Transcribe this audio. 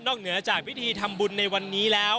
เหนือจากพิธีทำบุญในวันนี้แล้ว